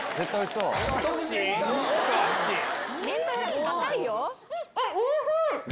一口？あっ、おいしい！